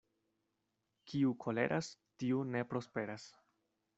Kiu koleras, tiu ne prosperas.